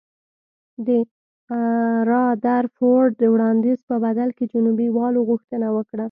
د رادرفورډ د وړاندیز په بدل کې جنوبي والو غوښتنه وکړه.